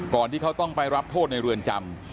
ที่เขาต้องไปรับโทษในเรือนจำ